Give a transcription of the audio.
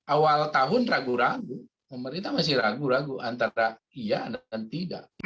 awal tahun ragu ragu pemerintah masih ragu ragu antara iya dan tidak